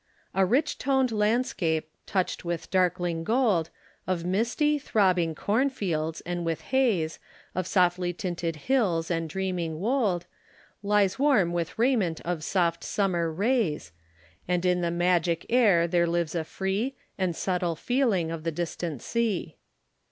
"A rich toned landscape, touched with darkling gold Of misty, throbbing corn fields, and with haze Of softly tinted hills and dreaming wold, Lies warm with raiment of soft summer rays, And in the magic air there lives a free And subtle feeling of the distant sea.